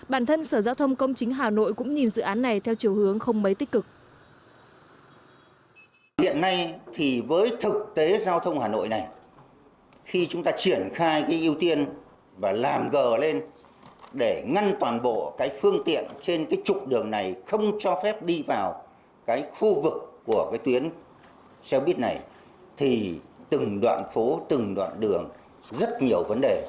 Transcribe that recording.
bản thân sở giao thông công chính hà nội cũng nhìn dự án này theo chiều hướng không mấy tích cực